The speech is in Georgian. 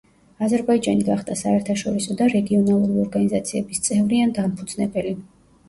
აზერბაიჯანი გახდა საერთაშორისო და რეგიონალური ორგანიზაციების წევრი ან დამფუძნებელი.